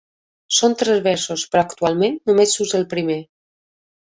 Són tres versos, però actualment només s'usa el primer.